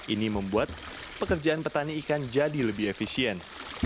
ini membuat pekerjaan petani ikan jadi lebih efisien